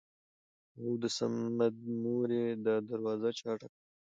اوو د صمد مورې دا دروازه چا ټکوله!!